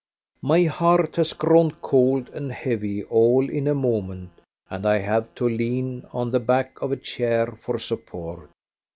My heart has grown cold and heavy all in a moment, and I have to lean on the back of a chair for support.